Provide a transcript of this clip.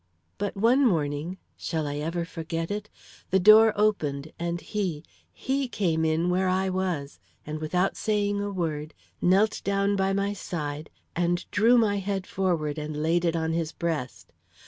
"But one morning shall I ever forget it? the door opened, and he, he came in where I was, and without saying a word, knelt down by my side, and drew my head forward and laid it on his breast.